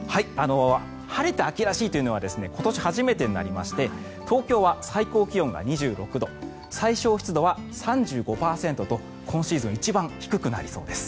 晴れて秋らしいというのは今年初めてになりまして東京は最高気温が２６度最小湿度は３５％と今シーズン一番低くなりそうです。